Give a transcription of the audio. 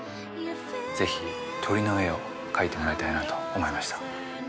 ぜひ鳥の絵を描いてもらいたいなと思いました。